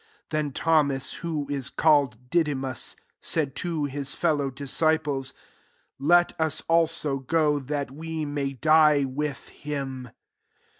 16 Then Thomas, who is called Didymus,* said to his fellow disciples, " Let us also go, that we may die with him."